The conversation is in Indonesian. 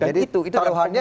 saya loh taruhannya